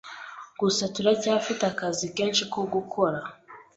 gusa turacyafite akazi kenshi ko gukora